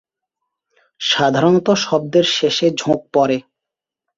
সাধারণত শব্দের শেষে ঝোঁক পড়ে।